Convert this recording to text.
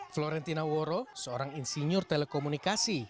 florentina woro seorang insinyur telekomunikasi